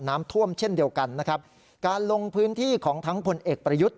น้ำท่วมเช่นเดียวกันนะครับการลงพื้นที่ของทั้งผลเอกประยุทธ์